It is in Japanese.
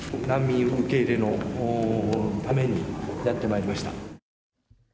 難民受け入れのためにやってまいりました。